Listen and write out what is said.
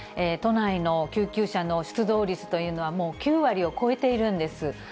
都内の救急車の出動率というのは、もう９割を超えているんです。